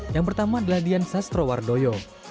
yang pertama adalah dian sastrowardoyo